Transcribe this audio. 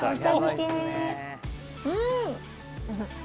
うん！